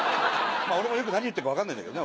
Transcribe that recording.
俺も何言ってるか分かんないんだけどね。